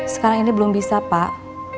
sekarang ini belum bisa pak